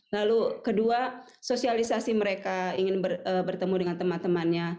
lalu kedua sosialisasi mereka ingin bertemu dengan teman temannya